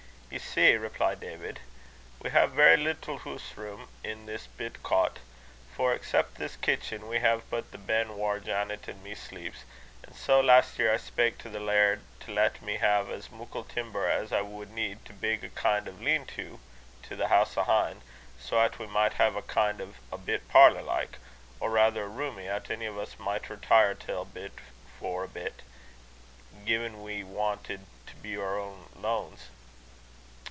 "Ye see," replied David, "we hae verra little hoose room i' this bit cot; for, excep this kitchen, we hae but the ben whaur Janet and me sleeps; and sae last year I spak' to the laird to lat me hae muckle timmer as I wad need to big a kin' o' a lean to to the house ahin', so 'at we micht hae a kin' o' a bit parlour like, or rather a roomie 'at ony o' us micht retire till for a bit, gin we wanted to be oor lanes.